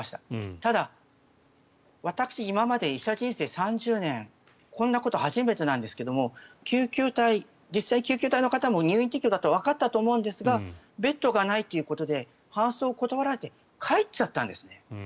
ただ、私今まで医者人生３０年こんなこと初めてなんですが実際、救急隊の方も入院適用だとわかったと思うんですがベッドがないということで搬送を断られて帰っちゃったんですね。